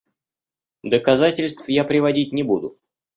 Доказательств я приводить не буду.